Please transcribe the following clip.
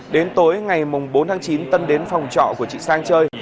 đến tối ngày bốn tháng chín tân đến phòng trọ của chị sang chơi